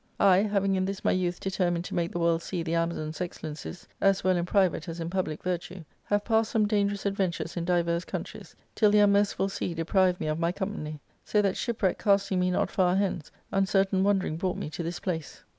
I, having in this my youth determined to make the world see the Amazons' excellencies, as well in private as in public virtue, have passed some dangerous adventures in divers countries, till the unmerciful sea deprived me of my company ; so that shipwreck casting me not far hence, uncertain wandering brought me to this place.'